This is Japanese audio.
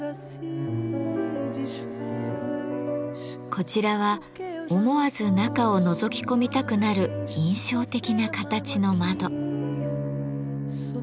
こちらは思わず中をのぞき込みたくなる印象的な形の窓。